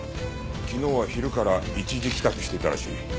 昨日は昼から一時帰宅していたらしい。